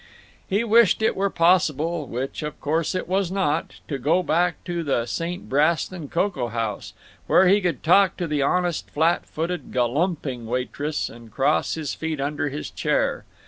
He wished it were possible—which, of course, it was not—to go back to the St. Brasten Cocoa House, where he could talk to the honest flat footed galumping waitress, and cross his feet under his chair.